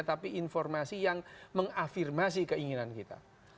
tapi informasi yang mengafirmasi keinginan kita